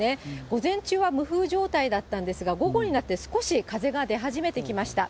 午前中は無風状態だったんですが、午後になって少し風が出始めてきました。